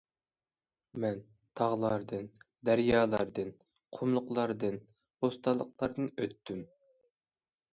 مەن تاغلاردىن، دەريالاردىن، قۇملۇقلاردىن، بوستانلىقلار. دىن ئۆتتۈم.